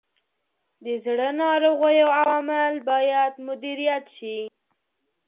د زړه ناروغیو عوامل باید مدیریت شي.